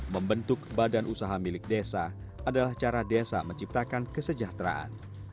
membentuk badan usaha milik desa adalah cara desa menciptakan kesejahteraan